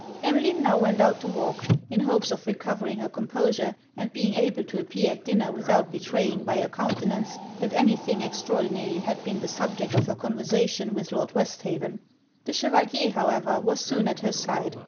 Emmeline now went out to walk, in hopes of recovering her composure and being able to appear at dinner without betraying by her countenance that any thing extraordinary had been the subject of her conversation with Lord Westhaven. The Chevalier, however, was soon at her side.